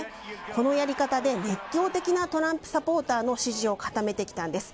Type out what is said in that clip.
このやり方で熱狂的なトランプサポーターの支持を固めてきたんです。